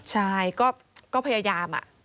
ใช่ก็พยายาม